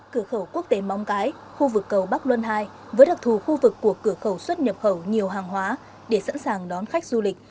cửa khẩu quốc tế mong cái khu vực cầu bắc luân ii với đặc thù khu vực của cửa khẩu xuất nhập khẩu nhiều hàng hóa để sẵn sàng đón khách du lịch